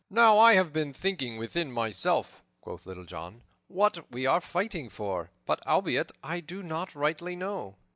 "Now I have been thinking within myself," quoth Little John, "what we are fighting for; but albeit I do not rightly know."